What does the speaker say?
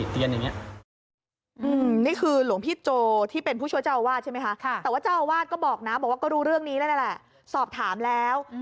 แต่ว่าเจ้าวาดก็บอกนะบอกว่าก็ดูเรื่องนี้แหละสอบถามแล้ว